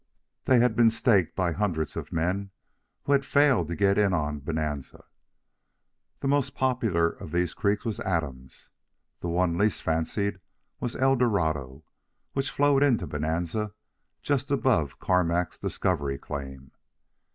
They had been staked by the hundreds of men who had failed to get in on Bonanza. The most popular of these creeks was Adams. The one least fancied was Eldorado, which flowed into Bonanza, just above Karmack's Discovery claim.